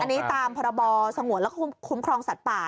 อันนี้ตามพรบสงวนแล้วก็คุ้มครองสัตว์ป่า